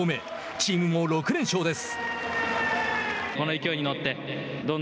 チームも６連勝です。